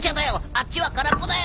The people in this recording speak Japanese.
あっちは空っぽだよ。